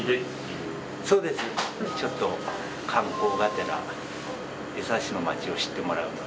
ちょっと観光がてら枝幸の町を知ってもらおうと。